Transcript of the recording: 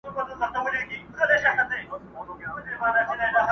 له مخلوقه يې جلا وه رواجونه.!